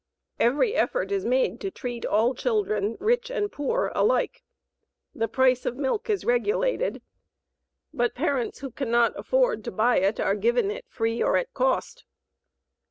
Every effort is made to treat all children, rich and poor, alike. The price of milk is regulated, but parents who cannot afford to buy it are given it free or at cost.